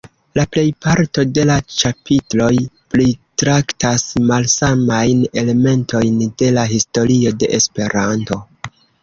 La plejparto de la ĉapitroj pritraktas malsamajn elementojn de la historio de Esperanto.